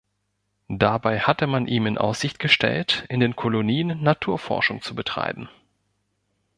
Dabei hatte man ihm in Aussicht gestellt, in den Kolonien Naturforschung zu betreiben.